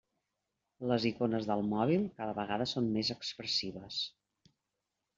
Les icones del mòbil cada vegada són més expressives.